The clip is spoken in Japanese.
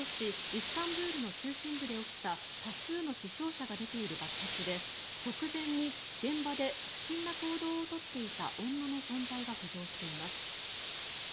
イスタンブールの中心部で起きた多数の死傷者が出ている爆発で直前に現場で不審な行動を取っていた女の存在が浮上しています。